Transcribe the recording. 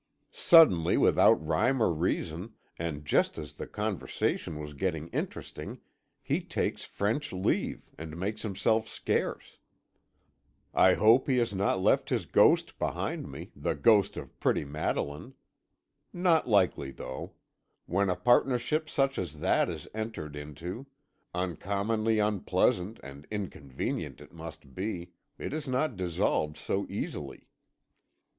Suddenly, without rhyme or reason, and just as the conversation was getting interesting, he takes French leave, and makes himself scarce. "I hope he has not left his ghost behind him the ghost of pretty Madeline. Not likely, though. When a partnership such as that is entered into uncommonly unpleasant and inconvenient it must be it is not dissolved so easily.